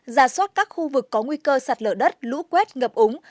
giả soát các khu vực có nguy cơ sạt lở đất lũ quét ngập ống